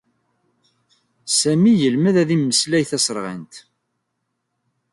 Sami yelmed ad immeslay taserɣint.